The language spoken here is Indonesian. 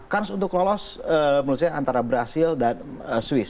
kans untuk lolos menurut saya antara brazil dan swiss